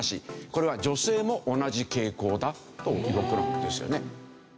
これは女性も同じ傾向だという事なんですよね。